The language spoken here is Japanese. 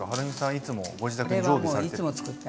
いつもご自宅に常備されてるんですか？